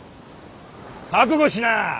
覚悟しな！